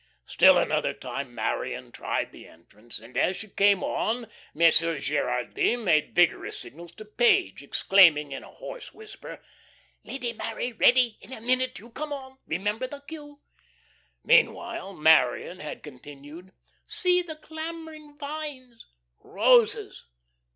Still another time Marion tried the entrance, and, as she came on, Monsieur Gerardy made vigorous signals to Page, exclaiming in a hoarse whisper: "Lady Mary, ready. In a minute you come on. Remember the cue." Meanwhile Marion had continued: "'See the clambering vines '" "Roses."